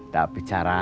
tapi caranya salah